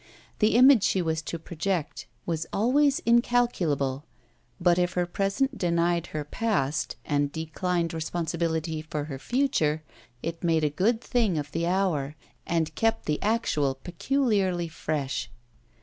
The image she was to project was always incalculable, but if her present denied her past and declined responsibility for her future it made a good thing of the hour and kept the actual peculiarly fresh.